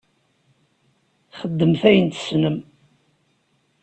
Xedmet ayen i tessnem.